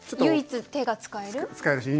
唯一手が使える。